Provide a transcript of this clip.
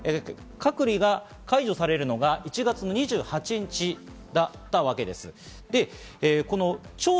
隔離が解除されるのが１月の２８日だったわけです。